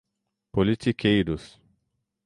politiqueiros